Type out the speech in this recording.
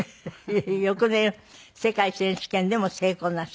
翌年世界選手権でも成功なさった。